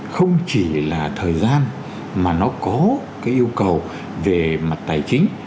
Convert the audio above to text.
không chỉ là thời gian mà nó có cái yêu cầu về mặt tài chính